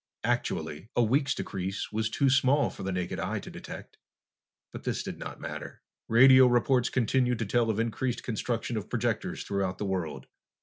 Actually, a week's decrease was too small for the naked eye to detect, but this did not matter. Radio reports continued to tell of increased construction of projectors throughout the world.